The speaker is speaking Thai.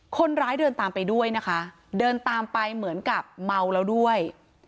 คนร้ายเดินตามไปด้วยนะคะเดินตามไปเหมือนกับเมาแล้วด้วย